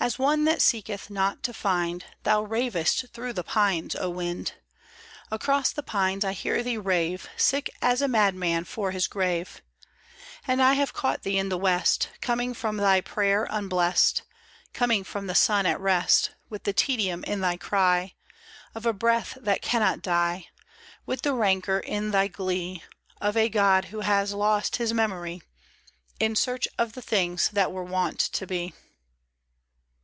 As one that seeketh not to find Thou ravest through the pines, O Wind ; Across the pines I hear thee rave Sick as a madman for his grave ; IS And I have caught thee in the West, Coming from thy prayer unblest, Coming from the sun at rest, With the tedium in thy cry Of a breath that cannot die, With the rancour in thy glee Of a god who has lost his memory In search of the things that were wont to be.